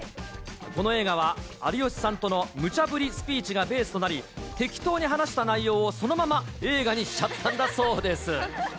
この映画は有吉さんとのムチャブリスピーチがベースとなり、適当に話した内容をそのまま映画にしちゃったんだそうです。